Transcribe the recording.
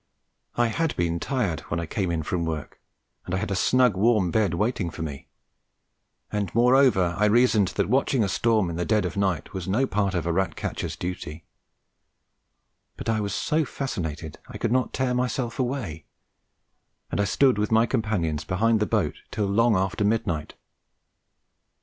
I had been tired when I came in from work, and I had a snug warm bed waiting for me, and moreover I reasoned that watching a storm in the dead of night was no part of a rat catcher's duty; but I was so fascinated I could not tear myself away, and I stood with my companions behind the boat till long after midnight.